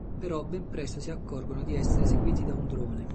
Però ben presto si accorgono di essere seguiti da un drone.